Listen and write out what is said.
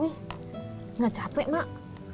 nggak capek mak